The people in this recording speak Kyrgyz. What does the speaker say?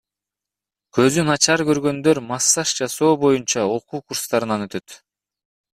Көзү начар көргөндөр массаж жасоо боюнча окуу курстарынан өтөт.